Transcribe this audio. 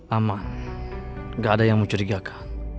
aman gak ada yang mau curiga aku